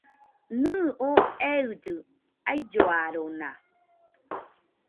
Nɨɨ oo eillɨ ailloarona